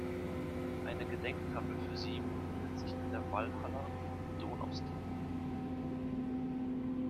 Eine Gedenktafel für sie befindet sich in der Walhalla in Donaustauf.